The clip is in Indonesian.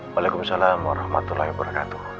waalaikumsalam warahmatullahi wabarakatuh